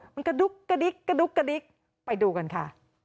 มันกระดุ๊กกระดิ๊กกระดุ๊กกระดิ๊กไปดูกันค่ะ